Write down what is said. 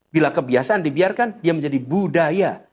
bila kebiasaan dibiarkan dia menjadi budaya